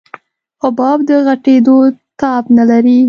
حباب د غټېدو تاب نه لري.